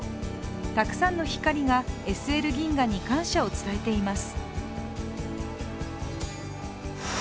たくさんの光が、ＳＬ銀河に感謝を伝えています。